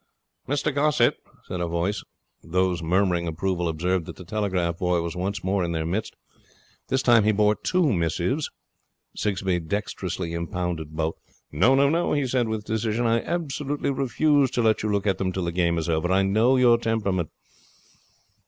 'Mr Gossett,' said a voice. Those murmuring approval observed that the telegraph boy was once more in their midst. This time he bore two missives. Sigsbee dexterously impounded both. 'No,' he said with decision. 'I absolutely refuse to let you look at them till the game is over. I know your temperament.'